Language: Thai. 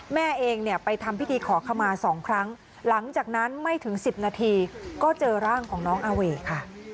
ใช่ค่ะแม่น้องเขาไปขอคำมาสองรอบ